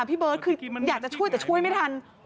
พี่เบิร์ตคืออยากจะช่วยแต่ช่วยไม่ทัน